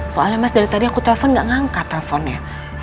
soalnya mas dari tadi aku telepon gak ngangkat ya